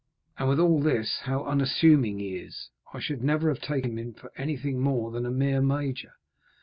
"And with all this, how unassuming he is! I should never have taken him for anything more than a mere major."